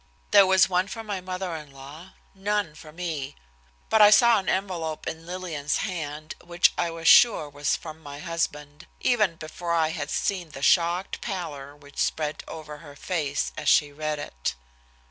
There was one for my mother in law, none for me, but I saw an envelope in Lillian's hand, which I was sure was from my husband, even before I had seen the shocked pallor which spread over her face as she read it.